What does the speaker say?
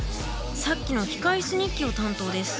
さっきの「機械室日記」を担当です。